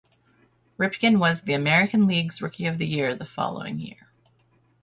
Ripken was the American League's Rookie of the Year the following year.